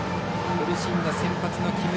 苦しんだ先発の木村。